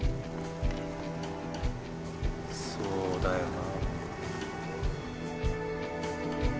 そうだよな。